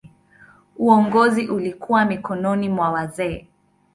Uongozi ulikuwa mikononi mwa wazee.